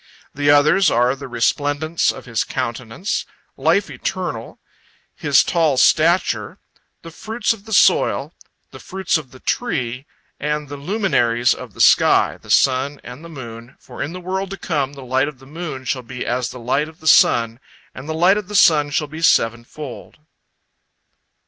The others are the resplendence of his countenance; life eternal; his tall stature; the fruits of the soil; the fruits of the tree; and the luminaries of the sky, the sun and the moon, for in the world to come the light of the moon shall be as the light of the sun, and the light of the sun shall be sevenfold.